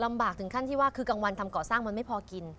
ถึงขั้นที่ว่าคือกลางวันทำก่อสร้างมันไม่พอกิน